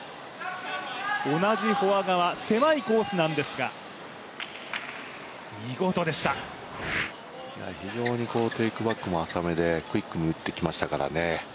同じフォア側、狭いコースなんですが非常にテイクバックも浅めでクイックに打ってきましたからね。